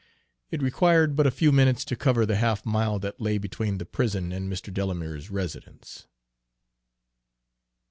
It required but a few minutes to cover the half mile that lay between the prison and Mr. Delamere's residence.